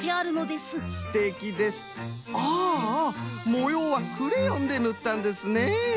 もようはクレヨンでぬったんですね。